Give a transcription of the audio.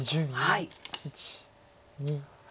１２。